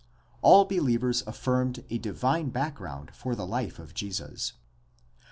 All believers affirmed a divine background for the life of Jesus.